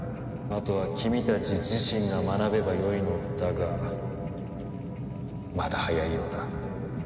あとは君たち自身が学べばよいのだがまだ早いようだ。